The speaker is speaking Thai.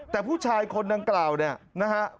แต่ผู้ชายคนดังกล่าวเนี่ยนะฮะ